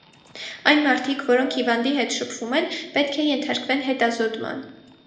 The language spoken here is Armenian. Այն մարդիկ, որոնք հիվանդի հետ շփվում են, պետք է ենթարկվեն հետազոտման։